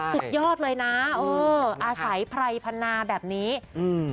สุดยอดเลยนะเอออาศัยไพรพนาแบบนี้อืม